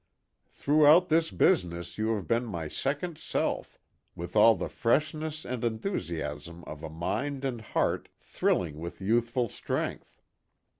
Throughout this business you have been my second self, with all the freshness and enthusiasm of a mind and heart thrilling with youthful strength.